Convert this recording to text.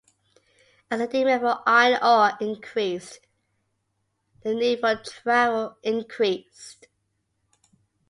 As the demand for iron ore increased, the need for travel increased.